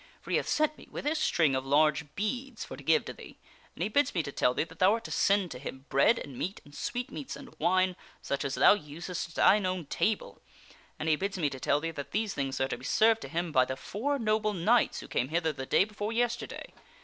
For he hath sent me with this string of large beads for to give to thee ; and he bids me to tell thee that thou art to send to him bread and meat n8 THE WINNING OF A QUEEN and sweetmeats and wine, such as thou usest at thine own table ; and he bids me to tell thee that these things are to be served to him by the four noble knights who came hither the day before yesterday.